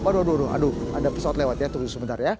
waduh aduh ada pesawat lewat ya tunggu sebentar ya